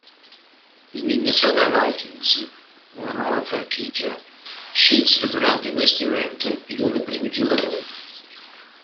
I Minnesota Vikings, una nuova franchigia, scelsero durante questo evento i loro primi giocatori.